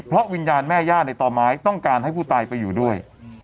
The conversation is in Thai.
เพราะวิญญาณแม่ย่าในต่อไม้ต้องการให้ผู้ตายไปอยู่ด้วย